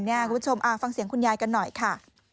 คุณผู้ชมฟังเสียงคุณยายกันหน่อยค่ะ